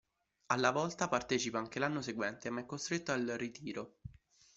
Alla Volta partecipa anche l'anno seguente, ma è costretto al ritiro.